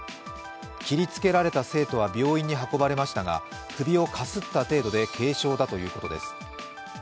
切りつけられた生徒は病院に運ばれましたが首をかすった程度で軽傷だというこうとです。